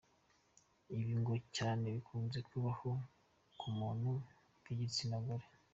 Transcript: Ibi ngo cyane bikunze kubaho ku bantu b’igitsina gore.